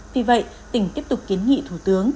vì vậy tỉnh tiếp tục kiến nghị thủ tướng